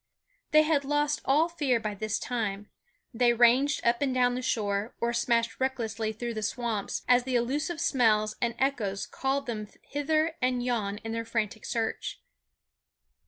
They had lost all fear by this time; they ranged up and down the shore, or smashed recklessly through the swamps, as the elusive smells and echoes called them hither and yon in their frantic search.